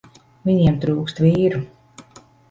Viņiem trūkst vīru.